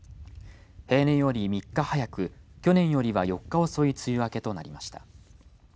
平年より３日早く去年よりは４日遅い梅雨明けとなりました。